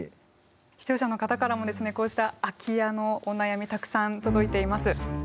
視聴者の方からもこうした空き家のお悩みたくさん届いています。